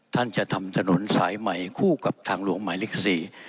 ท่านจะทำถนนสายใหม่คู่กับทางหลวงหมายเลข๔